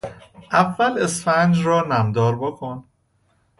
اول اسفنج را نمدار بکن.